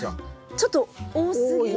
ちょっと多すぎますね。